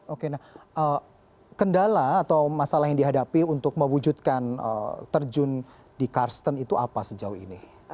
oke nah kendala atau masalah yang dihadapi untuk mewujudkan terjun di karsten itu apa sejauh ini